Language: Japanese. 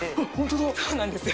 そうなんですよ。